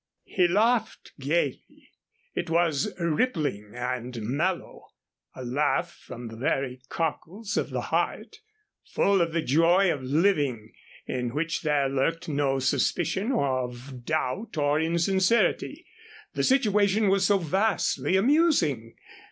He laughed gayly. It was rippling and mellow, a laugh from the very cockles of the heart, full of the joy of living, in which there lurked no suspicion of doubt or insincerity the situation was so vastly amusing.